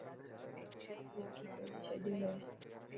وڪي سوچي ڇڏيو هي.